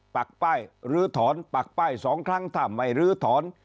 ปักป้ายลื้อถอนปักป้าย๒ครั้งถ้าไม่ลื้อถอน